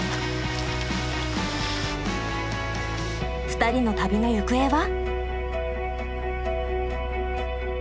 ２人の旅の行方は？